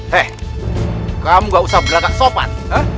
hei kamu gak usah berlengkak sopan